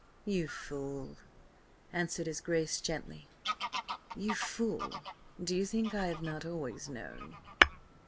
"You fool," answered his Grace gently. "You fool, do you think I have not always known?"